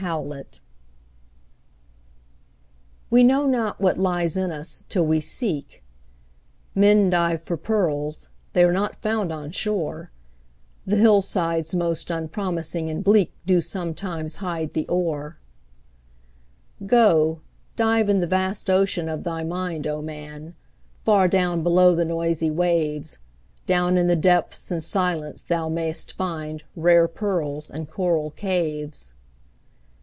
HIDDEN GEMS We know not what lies in us, till we seek; Men dive for pearls—they are not found on shore, The hillsides most unpromising and bleak Do sometimes hide the ore. Go, dive in the vast ocean of thy mind, O man! far down below the noisy waves, Down in the depths and silence thou mayst find Rare pearls and coral caves.